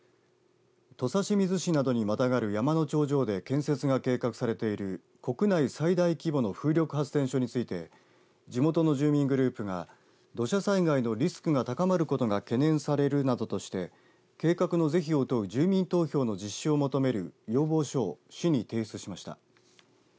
土佐清水市などにまたがる山の頂上で建設が計画されている国内最大規模の風力発電所について地元の住民グループが土砂災害のリスクが高まることが懸念されるなどとして計画の是非を問う住民投票の実施を求める要望書を市に提出しました。